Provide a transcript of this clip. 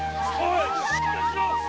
しっかりしろ！